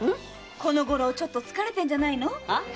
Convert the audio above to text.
このごろちょっと疲れてるんじゃない？